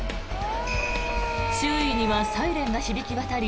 周囲にはサイレンが響き渡り